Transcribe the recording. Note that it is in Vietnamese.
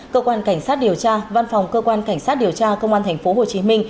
cơ quan cảnh sát điều tra văn phòng cơ quan cảnh sát điều tra công an tp hcm